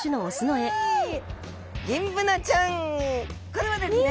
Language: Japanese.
これはですね。